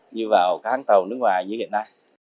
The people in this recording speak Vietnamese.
như vào các hãng tàu nước ngoài như hiện nay